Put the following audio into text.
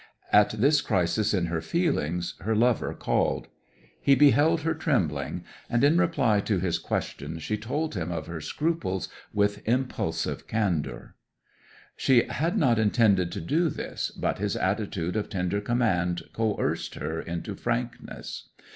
At this crisis in her feelings her lover called. He beheld her trembling, and, in reply to his question, she told him of her scruples with impulsive candour. 'She had not intended to do this, but his attitude of tender command coerced her into frankness.